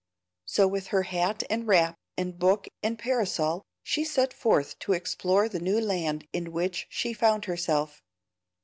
So, with her hat and wrap, and book and parasol, she set forth to explore the new land in which she found herself.